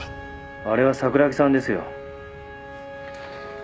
あれは桜木さんですよ。